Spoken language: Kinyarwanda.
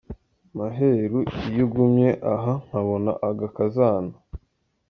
Maheru iyo ugumye aha Nkabona agakazana.